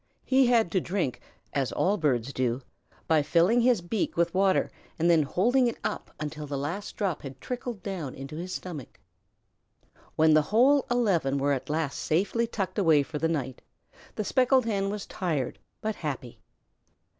He had to drink, as all birds do, by filling his beak with water and then holding it up until the last drop had trickled down into his stomach. When the whole eleven were at last safely tucked away for the night, the Speckled Hen was tired but happy.